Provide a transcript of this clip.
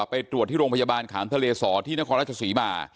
ไปตรวจที่โรงพยาบาลขามทะเลสอที่นครราชศรีมา